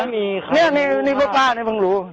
เนี่ยนี่ป้านี่ผมรู้